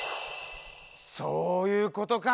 そういうことか！